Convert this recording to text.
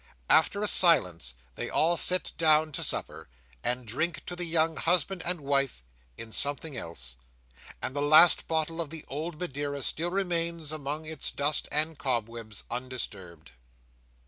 After a silence they all sit down to supper, and drink to the young husband and wife in something else; and the last bottle of the old Madeira still remains among its dust and cobwebs, undisturbed.